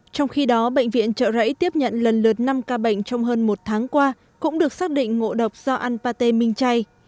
trong khi đó bệnh viện trợ rẫy tiếp nhận lần lượt năm ca bệnh trong hơn một tháng qua cũng được xác định ngộ độc do ăn pate minh chay